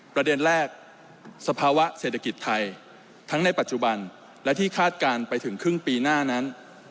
ประเด็นแรกสภาวะเศรษฐกิจไทยทั้งในปัจจุบันและที่คาดการณ์ไปถึงครึ่งปีหน้านั้น